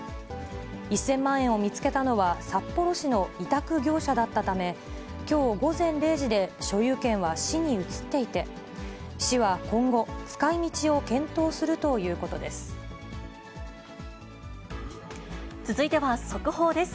１０００万円を見つけたのは札幌市の委託業者だったため、きょう午前０時で所有権は市に移っていて、市は今後、使いみちを続いては速報です。